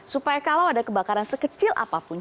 supaya kalau ada kebakaran sekecil apapun